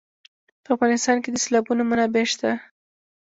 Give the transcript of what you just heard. په افغانستان کې د سیلابونه منابع شته.